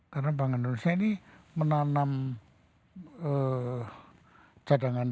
karena bank indonesia ini menanam cadangan divisa di dalam perusahaan